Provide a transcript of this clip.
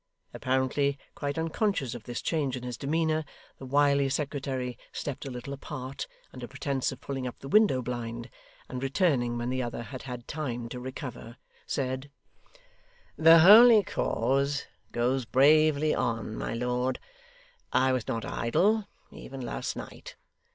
Apparently quite unconscious of this change in his demeanour, the wily Secretary stepped a little apart, under pretence of pulling up the window blind, and returning when the other had had time to recover, said: 'The holy cause goes bravely on, my lord. I was not idle, even last night.